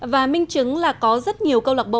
và minh chứng là có rất nhiều câu lạc bộ